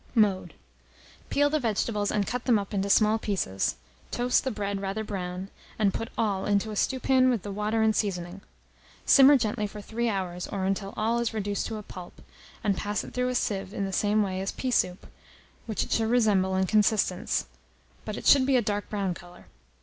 Mode. Peel the vegetables, and cut them up into small pieces; toast the bread rather brown, and put all into a stewpan with the water and seasoning. Simmer gently for 3 hours, or until all is reduced to a pulp, and pass it through a sieve in the same way as pea soup, which it should resemble in consistence; but it should be a dark brown colour.